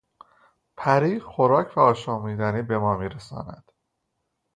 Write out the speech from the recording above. پری خوراک و آشامیدنی به ما میرساند.